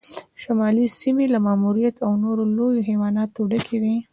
شمالي سیمې له ماموت او نورو لویو حیواناتو ډکې وې.